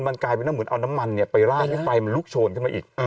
มันกลายเป็นว่าเหมือนเอาน้ำมันไปราดให้ไฟมันลุกโชนขึ้นมาอีก